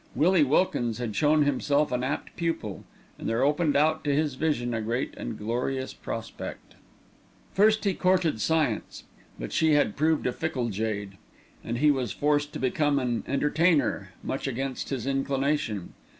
Willie Wilkins had shown himself an apt pupil, and there opened out to his vision a great and glorious prospect. First he courted science; but she had proved a fickle jade, and he was forced to become an entertainer, much against his inclination.